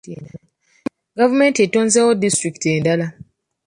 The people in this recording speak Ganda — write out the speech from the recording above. Gavumenti etonzeewo disitulikiti endala.